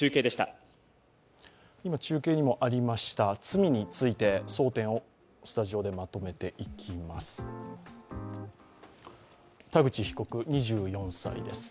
今、中継にもありました罪について、争点を、スタジオでまとめていきます。